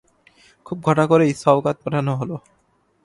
খুব ঘটা করেই সওগাত পাঠানো হল।